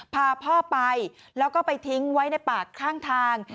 พาพ่อไปแล้วก็ไปทิ้งไว้ในปากข้างทาง